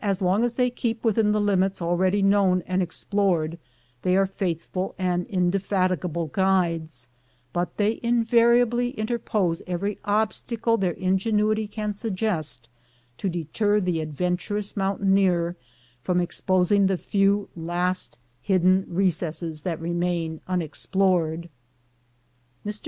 As long as they keep within the limits already known and explored, they are faith ful and indefatigable guides, but they invariably inter pose every obstacle their ingenuity can suggest to deter the adventurous mountaineer from exposing the few last hidden recesses that remain unexplored. Mr.